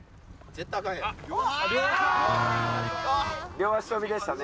両足跳びでしたね。